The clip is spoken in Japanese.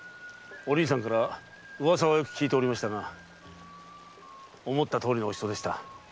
お凛さんから噂はよく聞いておりましたが思ったとおりのお人でした。